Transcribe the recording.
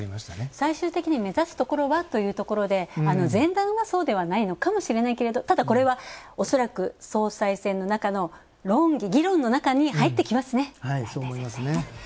最終的に目指すところは、というところで前段は、そうではないのかもしれないのですがただ、これは恐らく総裁選の中の議論の中に入ってきますね。